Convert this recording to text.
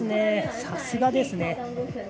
さすがですね。